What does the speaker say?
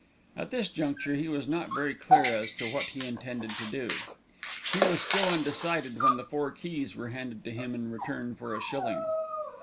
At this juncture he was not very clear as to what he intended to do. He was still undecided when the four keys were handed to him in return for a shilling.